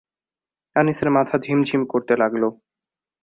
আনিসের মাথা ঝিমঝিম করতে লাগল।